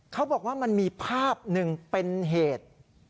เขาบอกว่ามันมีภาพหนึ่งเป็นเหตุ